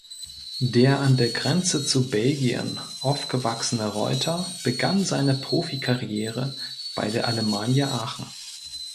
Der an der Grenze zu Belgien aufgewachsene Reuter begann seine Profikarriere bei Alemannia Aachen.